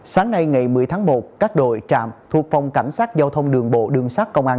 sáng nay ngày một mươi tháng một các đội trạm thuộc phòng cảnh sát giao thông đường bộ đường sát công an